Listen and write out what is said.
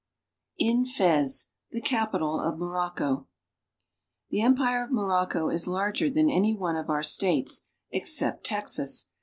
IN FEZ, THE CAPITAL OF MOROCCO THE empire of Morocco is larger than any one of our States except Texas.